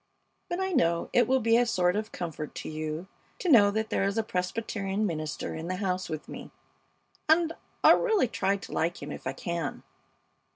But I know it will be a sort of comfort to you to know that there is a Presbyterian minister in the house with me, and I'll really try to like him if I can.